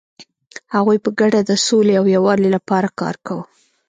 هغوی په ګډه د سولې او یووالي لپاره کار کاوه.